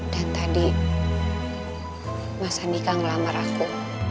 dan tadi mas andika ngelamar aku